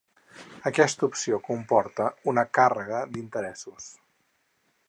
Aquesta opció comporta una càrrega d'interessos.